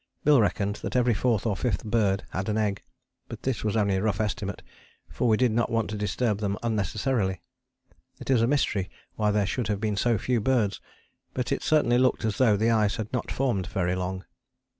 Bill reckoned that every fourth or fifth bird had an egg, but this was only a rough estimate, for we did not want to disturb them unnecessarily. It is a mystery why there should have been so few birds, but it certainly looked as though the ice had not formed very long.